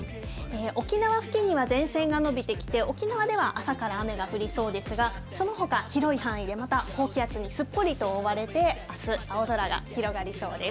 沖縄付近には前線が延びてきて、沖縄では朝から雨が降りそうですが、そのほか、広い範囲でまた高気圧にすっぽりと覆われて、あす、青空が広がりそうです。